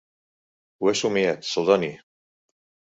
Ho he somiat, Celdoni.